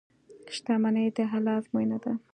• شتمني د الله ازموینه ده.